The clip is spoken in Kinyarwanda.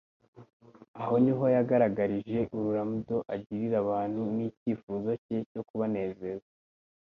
Aho niho yagaragarije urulamdo agirira abantu n' icyifuzo cye cyo kubanezeza.